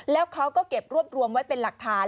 แล้วเขาก็เก็บรวบรวมไว้เป็นหลักฐาน